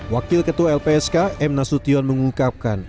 wakil ketua lpsk m nasution mengungkapkan